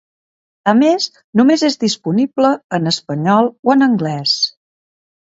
A més, només és disponible en espanyol o en anglès.